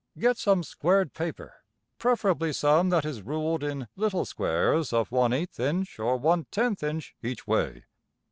Get some squared paper, preferably some \Figure[2.75in]{224a} that is ruled in little squares of one eighth inch or one tenth inch each way.